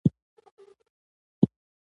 نورمحمد تره کی د پښتو ژبې لمړی ناول لیکونکی دی